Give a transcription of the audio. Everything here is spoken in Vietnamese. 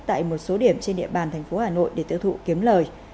tại một số điểm trên địa bàn thành phố hà nội để tiêu thụ kiếm lời